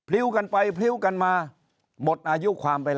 อายการแถลงเมื่อสักครู่